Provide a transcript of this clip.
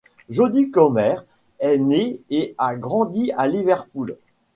Jodie Comer est née et a grandi à Liverpool.